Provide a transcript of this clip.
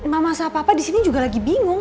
mama sama papa di sini juga lagi bingung